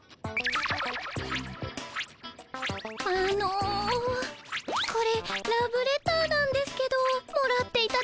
あのこれラブレターなんですけどもらっていただけます？